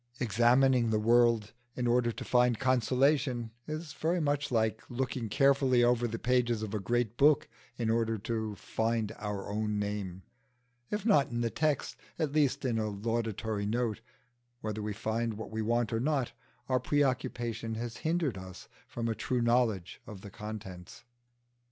Examining the world in order to find consolation is very much like looking carefully over the pages of a great book in order to find our own name, if not in the text, at least in a laudatory note: whether we find what we want or not, our preoccupation has hindered us from a true knowledge of the contents.